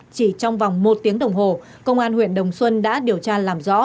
chỉ trong vòng một tiếng đồng hồ công an huyện đồng xuân đã điều tra làm rõ